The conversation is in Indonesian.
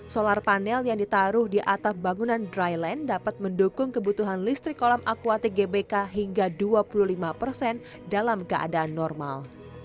solar panel yang ditaruh di atap bangunan dry land dapat mendukung kebutuhan listrik kolam akuatik gbk hingga dua puluh lima persen dalam keadaan normal